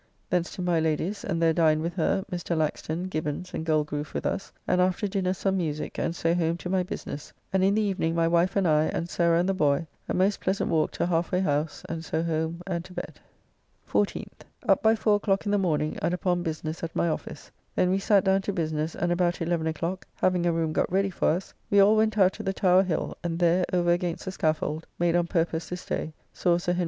Thence to my Lady's, and there dined with her, Mr. Laxton, Gibbons, and Goldgroove with us, and after dinner some musique, and so home to my business, and in the evening my wife and I, and Sarah and the boy, a most pleasant walk to Halfway house, and so home and to bed. 14th. Up by four o'clock in the morning and upon business at my office. Then we sat down to business, and about 11 o'clock, having a room got ready for us, we all went out to the Tower hill; and there, over against the scaffold, made on purpose this day, saw Sir Henry Vane brought.